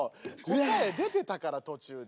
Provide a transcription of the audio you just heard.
答え出てたから途中で。